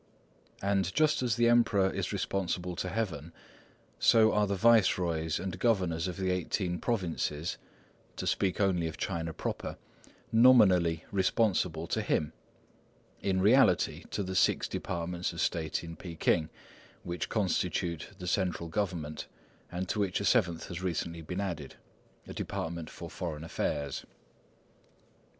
And just as the Emperor is responsible to Heaven, so are the viceroys and governors of the eighteen provinces—to speak only of China proper—nominally responsible to him, in reality to the six departments of state at Peking, which constitute the central government, and to which a seventh has recently been added—a department for foreign affairs.